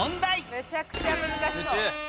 めちゃくちゃ難しそう。